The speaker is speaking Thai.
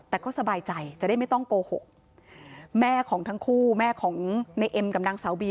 แต่ก็สบายใจจะได้ไม่ต้องโกหกแม่ของทั้งคู่แม่ของในเอ็มกับนางสาวบี